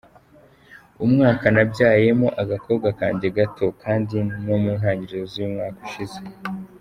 umwaka nabyayemo agakobwa kange gato kandi no mu ntangiriro z’umwaka ushize.